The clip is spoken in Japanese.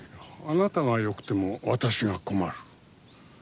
あなたがよくても私が困る。